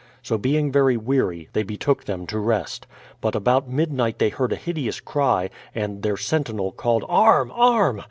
So being very weary, they betook them to rest. But about midnight they heard a hideous cry, and their sentinel called "Arm, arm!"